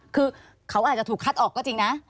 คือเขาอาจจะถูกคัดออกก็จริงนะ